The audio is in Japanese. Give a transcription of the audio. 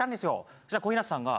そしたら小日向さんが。